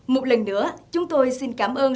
một lần nữa chúng tôi xin cảm ơn